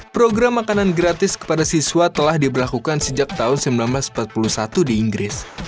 program makanan gratis kepada siswa telah diberlakukan sejak tahun seribu sembilan ratus empat puluh satu di inggris